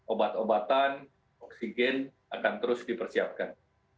obat obatan oksigen akan terus dipersiapkan